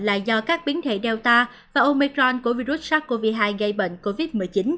là do các biến thể delta và omicron của virus sars cov hai gây bệnh covid một mươi chín